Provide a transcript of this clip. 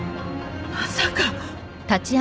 まさか。